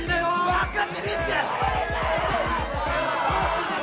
分かってるって！